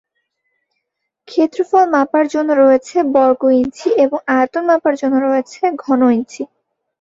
ক্ষেত্রফল মাপার জন্য রয়েছে বর্গ ইঞ্চি এবং আয়তন মাপার জন্য ঘন ইঞ্চি।